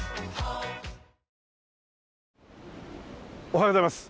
おはようございます。